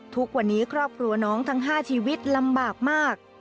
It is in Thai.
ทุกวันนี้ครอบครัวน้องทั้ง๕ชีวิตลำบากมาก